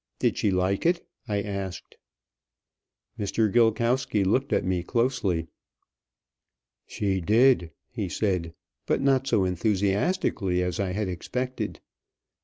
"Did she like it?" I asked. Mr. Gilkowsky looked at me closely. "She did," he said, but not so enthusiastically as I had expected.